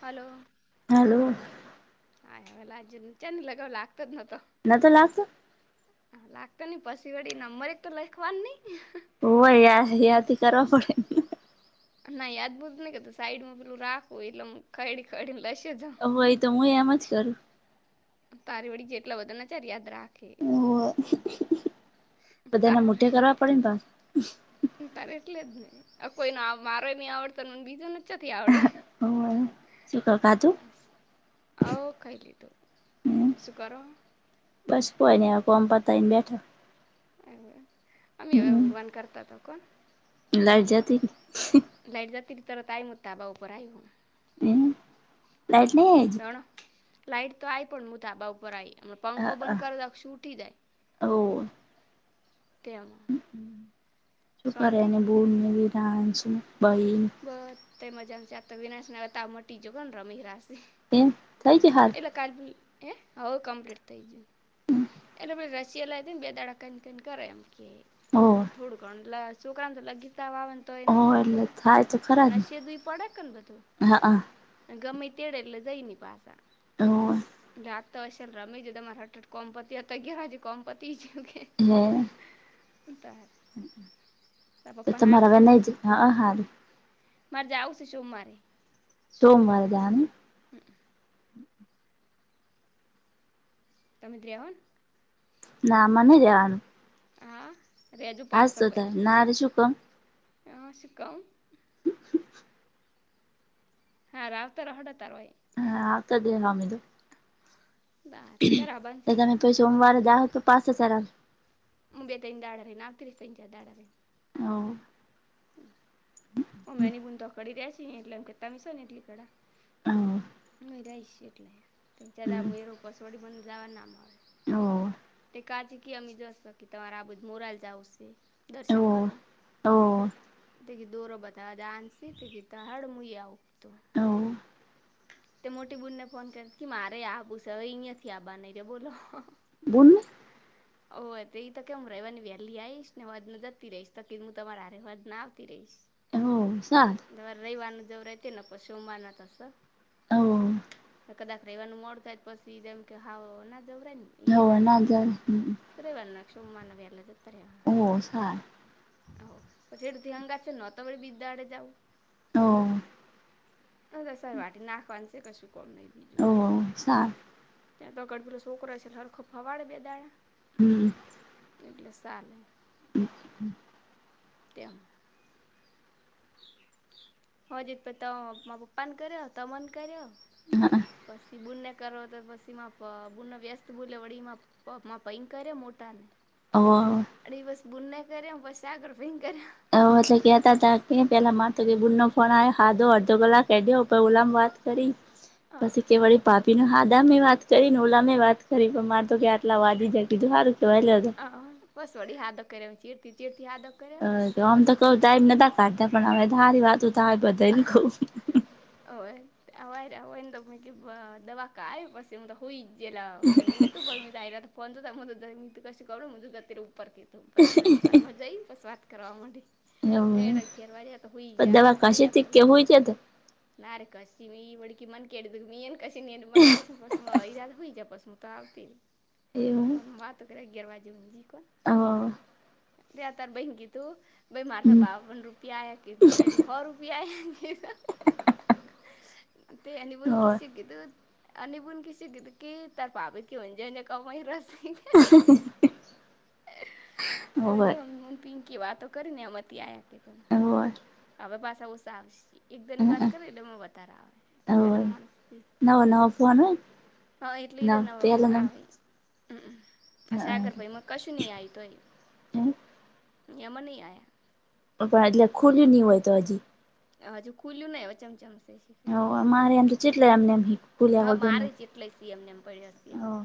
Hello. Hello. હા હવે લાગ્યો ચારની લગાવુ લાગતો જ નતો. નતો લાગતો હા લાગતો નઈ પછી વળી નંબર એક તો લખવાન નહીં હો યા થી કરવા પડે. ના યાદ [inaudible] સાઈડમાં પેલું રાખવું એટલેમ ખડી ખડી ને લશે જ ભય તો હું એમ જ કરું. તારે વડી જેટલા બધાને ચાર યાદ રાખે. હોવ બધાને તારે મોટે કરવા પડે ને ભ તારે એટલે જ ને આ કોઈને મારો બી આવડતો બીજો ને [unintelligible] બસ ઓવ ખાયલી લીધું શું કરો? બસ કોઈ નહીં બસ કોમ પતાઈ ને બેઠા. એવું અમે હવે ઉગવાનું કરતા હતા કોણ? [unintelligible] લાઈટ જ હતી તરત આાયમ ધાબા ઉપર આવી હું. હમ હમ એટલે એજ. જાણો લાઈટ તો આઈ પણ મુ ધકબા ઉપર આવી પંખો બંધ કરે દક્ષું ઉઠી જાય. [unintelligible] તેમાં શાંતિ [unintelligible] બસ બધા મજામાં છે આ તો વિનાશને તાવ મટી જગો ને રમી રાશે. એમ થઈ ગયું હારું? એટલે કાલ એ હઉ કમપ્લીટ થઈજું. એટલે પ રસીયા હો [unintelligible] થોડું ગણું લ છોકરા તો લગીતા [unintelligible] તો હો એના પેલું એટલે કરે થાય તો ખરા જ અને ને સી દુઈ પડે કેને બધું. હા હા ગમે તેડે એટલે જઈ પાસા. હમ. રાત તો હશેલ રમેીજ તમારે હટટ કોમપતી હતા ગજ કોમપતી છેું કે. હમ. ઉતાર તો તમારા વેના જ હા હા. મારે જા આવ છું શુંું મારે. સોમવાર દાન હમ. તમેમ ત્રેવન. ના મને રહેેવાનું. હારે હજુ પા શકોઈ થાય ના હારે શું કમ હ શ કમ હા રાાવતા રોટ તારવા હા આતાદી આમીું. તારે જરા તો બનશે તમે તા પ સોમવારે જા તો પાસ હજાર મુબે તઈ દ આડરે નાક તિવસ સંજચ દાડે હા. મેની બૂ તોકડી દ્યા છ એટલે એમ કેતા મશો ને એટલી કળા. હમ. નહી રઈ શ એટલે તેમં દાામુ ર ઉપાસવાડી પણંધ જવા ના મા. તે કાજી ક અમે જશો કે તમારે આ બધ મોરાલ જાવશે. દર્શન કરવા. દોરો બતા દ આન સીત ગીતા હાડ મુઈ્ય ઉપતો તે મોટી બૂનને ફોન કર મારે આુ છે અહીં નથી આબાર નહી રે બોલો. બોલને ઓ તે એ તો કે હું રહેવા ની વહેલી આવીશ ને વાજને જતી રહીશ તકી હું તમારા રવાદને આવતી રહીશ. હ હ સાર રે રવવારનું જવ રતી ને સોમવારના થસ કદાક એવાનું મો થ પછી જેમ કે હાવો ના જવરા ને ધવ ના જર વા નક્ષમા ન વલા જત્રવા હો પછું થીંગા છે ન તમે વિદ્યા આડે જાઉ હ તો સરાર વા નાખવાનું છે કશું કોમ નહીિ ઓ સાર ત્યાં તો ગડ બેલો છોકરો છે હરખો ફવાડે બે દાણા હમ એટલે સાલે. હમ. તેમ. હ જી પ ત મા પપા ને કર્યો ત મને કર્યો હ. પછી બૂનને કરો તો પછી એમાં બૂનને વ્યસ્ત બૂલે વળી એમાં પપમાં ભૈં કર્યા મોટાને. અ અ બસ બુનેઈ કરમ બસ આગળ ફિંગ કર. એટલે કેતા હતા પેલા મા તો કે બૂનો ફોણ ખાધો અડધો કલાક ક દ્યો ઓલામ વાત કરી હા પછી કે વળી પાાપી ન હાદામે વાત કરીને ઓલા મે વાત કરી પણ મારે તો કે આટલા વા જકીધું સારું કેવા. હ બસ વળી હા દખ ચીરતી ચીડતી હા દખ હ આમ તો કઉ ટાઈમ નતા કાઢતા પણ હવે તો હારી વાતું થાય બધાને કવ હોવાને તો મ દવા ક આવે પછી તો હો [unintelligible] જેલા ઊંઘવુતું પણ મેં જાયલા તો ફોન જોતા મું તો જઈન ઊંઘતી પશી કરુ મું તો જતી રય ઉપર કે તો પછી વળી ઘરમાં જઈ પસ વાત કરવા માંડી તે એવું અગિયાર વાજે તો હુઈ જયા દવા હું આઈ કશે તાર તો થી કે હોય છે તો ના રે કશું ની વળકી મન કે દ મી એન કરશે એ મન કરશે પસ ઈરાન તો હુય ગયા પસ મ તો આવતી રે પણ વાત કરે અગિયાર હુંધી કર હવ તે અતાર તાર ભઈન કીધું ભાઈ મારે તો બાવન રૂપિયા આયા કીધો એટલે હો રૂપિયા આયા કીધું તે એની વન હોય કિસ્ કીધું અને બુનકી શકી કે ત્યારે બાપ એ કે હોજ કમાઈ છે કે [inaudible] અવે હોય તો મન પિંકી વાતો કરીએ અતી આયા કે તું હોવે હવે પાસા ઓસા આવશે એકદમ ની વાત કરી એટલે માં વધાર આવે હોય પેલા માણસ નવો નવો ફોન હોય હા એટલે ના ન પેલા આવે પણ સાગરભાઈમાં કશું નહી આય તોય એમ નહી આયા પણ એટલે ખુલ્લી્યું નહી હોય તો હજી હજુ ખુલું ને એવે ચમચમચ એ હ અમારે એમ તો ચેટલે એમનેમ હા મારે જ એટલે સીએમ ને એમ પડ્યા સીએમ ને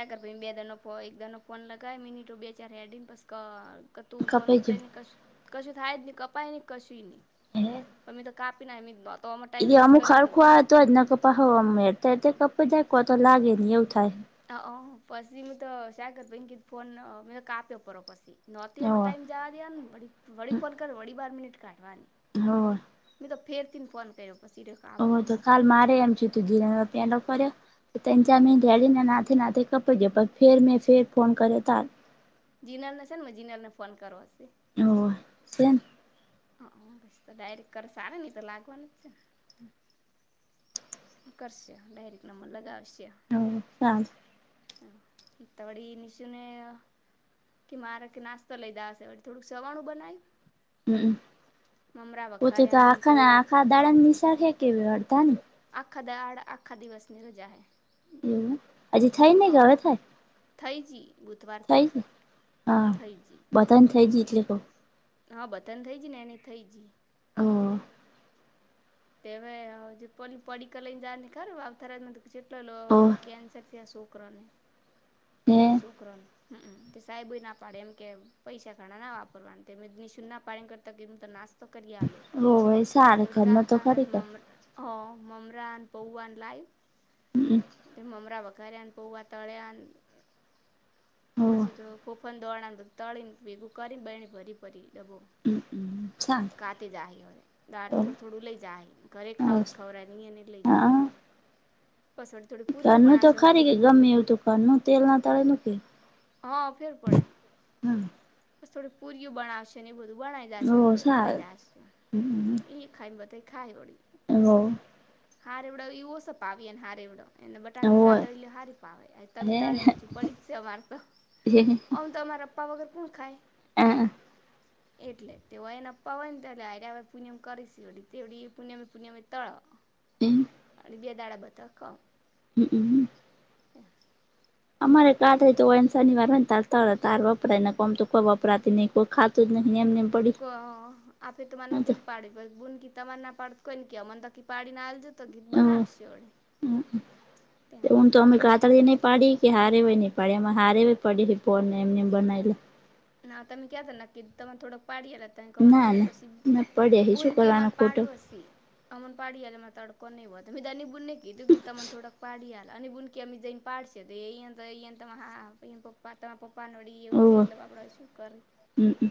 મ કર ભ બે દર ન એકદ ન ફોન લગાવ મિનિટ બે ચાર હેડન પછી ક ક હ તુંન કપાઈ ઉપડે નને ક કશું થાય જ નહી કપાય નહી કશી નહી ગયું પણ મી તો કાપી ના તો ટાઈમ એ વેસ્ટ અમુક કરે હરખું આવે તો જ ના કપા હોવા મળ અ ત્યારે કપે દખવા તો લાગે નહી એવું થાય હ પછી મેું તો સાગરભઈ કે ફોન મે તો કાપ્યાો પડ પછી નહોતી એવ અમાર ટાઈમ જાડી વળી ફોન કર વળી બાર મિનિટ કાઢવાની હ મી તો ફેરથી ફોન કર્યો પછી રહ ઓ તો કાલ મારે એમ છે તું ધીરા પેડ ફર્યો ત્રણ ચાર મિનિટ મેલીને નાથે નાથે કપય ગયો ફેર મેં ફેર ફોન કર્યો તાર જીનલને છે નેં જીનલને ફોન કરવા હશે હ સ હ બસ તો ડાયરેક્ટ કર સાર નહ તો લાગવાનું જ છ કરશે ડાયરેક નંબર લગાવશે હ ચાલ હ તો વળી નિશુને કે મારે કે નાસ્તા લઈધા હશે થોડુંક સવાણું બનાયું હમ પોતે તો વઘાર્યા ને આખા ના પૌવા આખા દાડાની નિશાળ હે કે અડધા ની આખા દાડ આખા દિવસની રજા હૈ એવુ હજી થાય ને કે હવે થાય થઇ જ બુધવારથી થઈ જ તન થઈ જી એટલે કઉ હા બધાન થઇ જી ને એને થઇ જઈે હા તે જે પલી પડીક લઈ ને જ ને ખરા આવ થરા કેટલો હોવે કેન્સર થી આ સુખ છોકરાને ને તેવીસોકરાને હમમ તે સાહેબ ના પાડે એમ કે પૈસા ઘણા ના વાપરવાના નિશુન ના પાડેને કરતા કેમ તો ના તો કરી આ લોું હો ભાઈ સાર કરરમ તો ખરી કર હ મમરાન પૌવાન લાઈવ તે મુમરાવાખારેન પોવા તળન હોવે પછી તો ફફન દોડાને બધું તળીને ભેગું કરીને બેને ભરી પરી દબો સારું કાતે જ હ હવે ગાડી થોડું થોડું લઈ જ હ ઘરે ખાવું બસ જ ખવરા નહી ન લઈ હા જવરાય પસોડી થોડી પુરીય ઘરનું બના તો છે ખરી હુક્કી કે પુરી ગમે એવું તો ઘરનું તેલ ના તળે નું કે હા ફેર પડે હમ બસ થોડી પુરીઓ બનાવશે ને એ બધું બનાઈ ઓ જશે આલે સારું જશે એ ખાઈ બધા ખાઈ વળી હો હારેવડો એવો સપાવીએ ને હ ર એવડો એને બટા હોય કનકાા તરી લલી હારી પાાવય આ તમમે તરી લે છુંપરીિત છે મારતોું અમ તો અમારા પપ્પા વગર પણ ખાય હ એટલે તેઓય એને પપ્ા હોય નેરે હ પૂનમ કરીશ તે એવડીી પુણ્યમેી પુન્યમે તળ તન અને બે દાડા બધ ક હમ હમ અમારે કા થય તો શનિવાર તારતા હો હતા તાર વપરાય ને કોમ તો કોઈ વપરાતી નહી કોઈ ખા તો એમને પડી ક આપે તોરે ન પાડીે બુનકી તમ ના પડને ક મન તો કકી પાડીનેલ હ તેમ હું તો અમે કતાર દને પડીી કે હારે હોય નહ પડે એમાં હારે પડે ફનને એમને બનાવેલા ના તમે ક્યા હતા નક્કી તમામેને થોડડાક પાડીયલા ત અમાર ના પડે ના પછી ના પડે હે શું બૂનકી અમાર કરવાનું ખોટું પાડવાછી અમન પાડી હાલેમાં તો્યારેડ ક કો નઈ ભ તો મીધા બુને ખીજું કી તમામન થોડાક પાડીાયલા અ અને બુનકી અમમે જન પાડશે તો એ હા એ પપ્પા તમારા પપ્પા નો એ ઉઠ એટલે આપડે શું કરે હમ હમ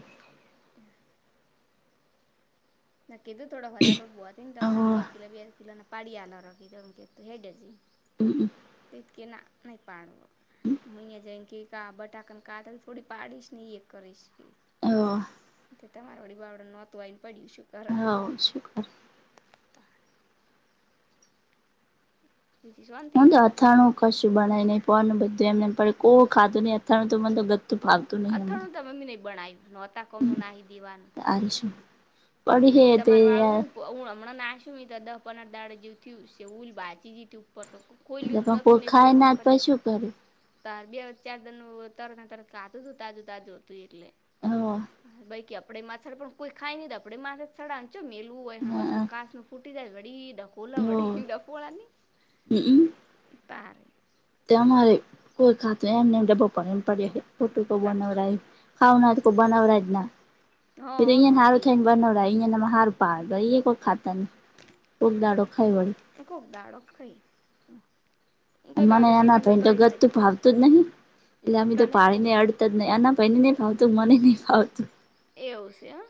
ના કીધું થોડો વધારેાર લોટ બો હતી ને તમને બે શું કિલો બે કિલો ને પાડી આનોખીધું કેું હેડે જ તિતકે ના નહી પાડવ હુંહીંયા જાાય કે કા બટાકન કાઢ થોડી પાડીશને એક કર છે કે તમારે વળી બાવડા નહોતું આવીઈને પડ્યું છેું હા શ બીજીી શુંંત હું અથાણું કશું બનાાય નહીંનું બધું એમને પડે કો ખાધું નહી અથાણું તો મ તો ફાલતું નહીંમાને મમી ન ભણાવ્યું નોતા કોમનું નાહી દેવાનું શું પડી હે એ તે તમારે વાળું છે યાર હું હમણાં નાખ્યું મં તો દ પંદર દાડ જેવુંયું ઉલ ભચી જઈતી ઉપર તો કોઈ લ પણ નતું કોઈ એક બે ખાય ના વખત પ શું કરે ત બે ચાર દરનું તરત તરત કાતું હતું તાજું તાજું હતું એટલે કે આપડે માથર પણ કોઈ ખાય નહી તો આપ મા મેલવું હોય બસમાં કાસ ન ફૂટી જાય બડી ડકોોલા બડી ડકોળની તાર તે અમારે કોઈ કાત ન એમનેમ ડપ પડી ફોટોકો તાર બનાવ ખાાવના કો બનાવ જ ના હ [inaudible] નહોતી આ પા કોઈ ખાતા ન કોક દાડો ખાઈ વળી તો ખૂક દાડો ખંઇ મને એના ભાઈ તો તોય ગત ખાઈ તું ભાવતું જ નહી. એટલે અમે તો કને પાણી ને અડતા જ નહ આના ભાઈને નઈ ફાવતું મને નઈ ફાવતું. એવું છે હ.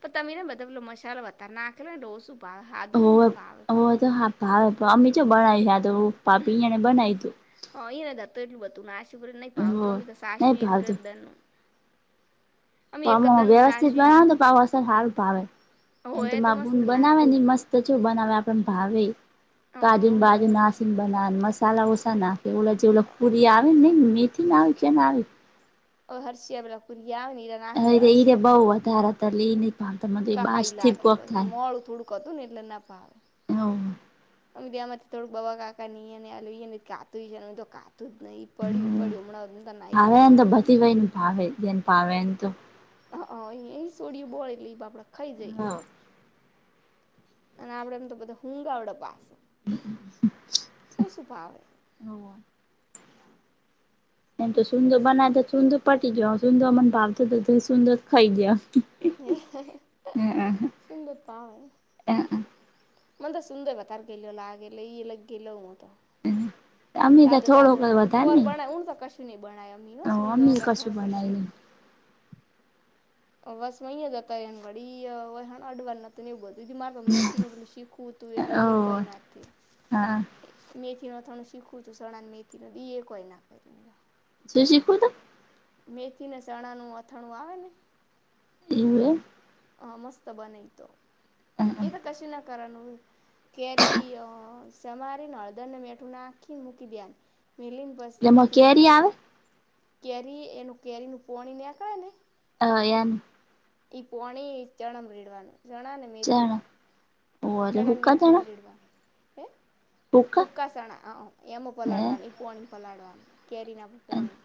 પણ તમીને બદલલો મસાલો વધ નાખને ડોસું ભાવે હાદું એ હોવે ભાવે પાવ હોવે તો હા અમ્ી જો બનાવી તો પાપી અયા ને બનાવી દું. હ એ નતો એટલું બધું નાસીપર ન તું ભાવતો હો અી તો સાસુ નહી એક ભાવતું કરદનું પામાં વ્યવસ્થિત બનાવ પાવ અસર સારું ભાવે એમ તો હોય મા બૂન મસ્ત બનાવે લાગે ને મસ્ત. તોચું બનાવે આપણ ભાવે કાજુ ને બાજુ નાસીને બનાવ મસાલા ઓસા નાખે. કે ઓ જે પુરી આવે નને મેથી આવે કેમ આવે ઓ હરષિયાેલાુરીની. હ એરે બહુ ધારલીની. કાઈ લાગે પછ મોું થોડુંક હતું ને એટલે ના ભાવે. હોવે અમે ત્યાંમાંથી થોડું બવા કાકા હીયા આલ કાતું છે ને તો કાતું જ નહી પડ્યું પડ્યું હમ્મ. ભાવે એમ તો બધી ગય ને ભાવે જેને ભાવે એમ તો. હ અ એ સોડિય બોળ એટલે એપડા ખાઈ જઈ અને આપડે એમ તો બધા હુંગાવડે પાસે. ભાવે હો. એ તો સુંદર બનાવે તો સૂદર પટી ગ સુંદો અમને ભાવતો તો સુંદર જ ખાઈ જાય. હ સુંદર પાાવ. હમ્મ. મન તો સુુંદર બતાાર ગ લાગે લગ ગતો. અમે તો તાજે તાજે થોડોક વધારે પોર નહી બણાય તો કશું નહી બણાય અમી હો સઊંધોગ થણું કશું નહી. બસ વહીયા જતા વડી અઢવાર એવું બધું મારે મેથી ન બું શીખવું હતું એટલે ઓ એ કઈ નથી. હા મેથી નો થણું શીખવું છું સણાને મેથી નો બી એ કોય ના કરી. શું શીખું તો? મેથીને ચણા નું અથાણું આવે ને. એવુ! હા મસ્ત બન તો એમ એ તો કશ ના કરનું કેરી સમારીને હળદરને મઠું નાખીને મૂકી દયા મિલિન પછી એટલે એમાંથી કેરી આવે કેરી એનું કેરી નું પોણી નેકળે ને અ યાની ઈ પોણી ચણા રેડવાનું ચણા ને ચણા મેથીમાં ઓ એટલે ચણાને હુકા મેથી મરીડવા હે. હક. ઉકાસણા એમ પલાળવાનું પણી પલાળવાનું કેરીના પોણી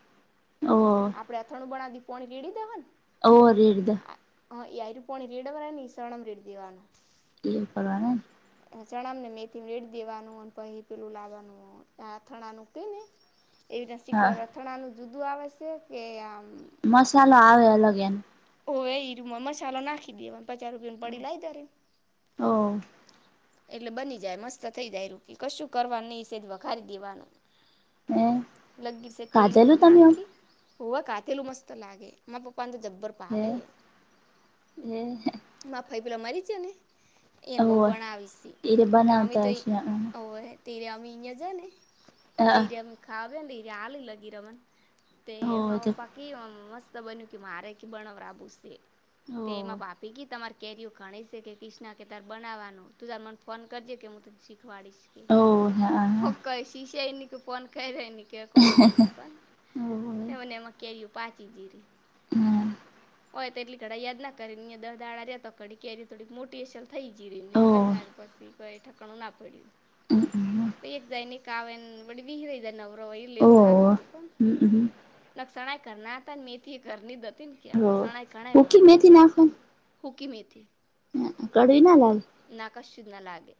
ઓ આપડે અથણું બણા દ પોણી પીડી દેવા ને ઓર હડદ. હા આયાર પોની રિડમ સવણમ રેડ દીવાનું. ક કરવાનાને ચણા ને મેથી રેડી દેવાનું અને પછી પેલું લાવવાનું આ થણા ન કે ને એવી હા [unintelligible] અથણાનું જુદું આવે છે કે આમ મસાાલો આવે અલગ એન. ઓ [unintelligible] મસાલો નાખી દે પચાસ રૂપિયા ને પડી. ઓ [unintelligible] એટલે બની જાય મસ્ત થઈ જાય [unintelligible] કશું કરવા નહી સેજ વધારી દેવાનું. હે [unintelligible] છે તલ કાજલું તમે નાખી. ઓવા કાતેલું મસ્ત લાગે મારા પપ્પાને તો જબ્બર હે ભાવે. હે માફાઈ પેલા મારી જ ને એને બહુ હોવે ભણાવીશ એ અમે તો બનાવતા એય હશે તેરે અમી ને જાને હા ત્યાં [unintelligible] તે હોવે માર તો પપ્પા કે મસ્ત બન્યું કે મારે કે બનાવરાવું સે તેમાં હોવે પા [unintelligible] તમારી કેરીઓ ઘણી છે કે ક્રિષ્ણા કે તાર બનાવવાનું તું તાર મને ફોન કરજે કે હું તને શીખવાડીશ હોવે હા હા [unintelligible] શીશ ન કે ફોન કઈર ન કે કશી ની હોવે પણ મને એમાં કેયું પાચીજીરી હમ હોય તેટલી ઘડા યાદ ના કરી [unintelligible] કેરી થોડીક મોટીહશે થઈ જઈ રહીને હોવે હોવે વહેનાર પછી કઈ ઠકણું ના પડ્યું હમ એક જાઈને એક આવેન વળી બીજો [inaudible] એ લેવું હોવે થતું હતું હમ પણ હમ એટલે ચણા એ ઘરના હતા ને મેથી એ ઘરની જ હતી ને કે આપણે હોવે શણાઈ કણાય સૂકી મળે છે મેથી હુકી મેથી હ કડવી ના લાલ નાકાશ શીધના લાગે